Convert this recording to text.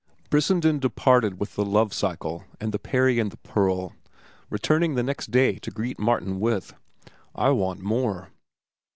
Brissenden departed with the "Love cycle," and "The Peri and the Pearl," returning next day to greet Martin with: "I want more."